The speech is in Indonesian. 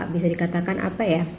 bisa dikatakan apa ya